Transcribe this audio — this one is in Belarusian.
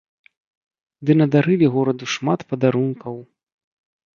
Ды надарылі гораду шмат падарункаў!